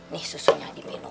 nih susunya yang diminum